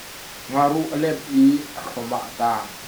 Nga ruh a lemh i a hrom ah a tang.